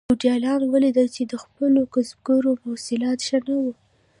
فیوډالانو ولیدل چې د خپلو کسبګرو محصولات ښه نه وو.